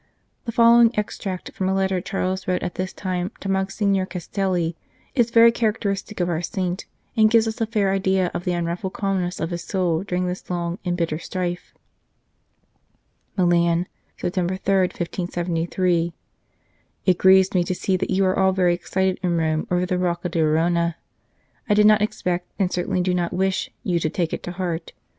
The following extract from a letter Charles wrote at this time to Monsignor Castelli is very character istic of our saint, and gives us a fair idea of the unruffled calmness of his soul during this long and bitter strife : "MILAN, September 3, 1573. " It grieves me to see that you are all very excited in Rome over the Rocca d Arona. I did not expect, and certainly do not wish, you to take it to heart.